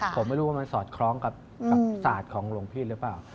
ผมไม่รู้ว่ามันสอดคล้องกับศาสตร์ของหลวงพี่หรือเปล่า